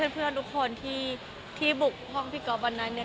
เพื่อนทุกคนที่บุกห้องพี่ก๊อฟวันนั้นเนี่ย